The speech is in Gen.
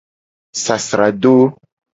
Sasrado.